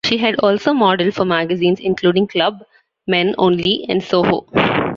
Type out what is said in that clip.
She had also modeled for magazines including "Club, Men Only", and "Soho".